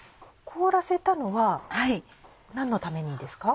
凍らせたのは何のためにですか？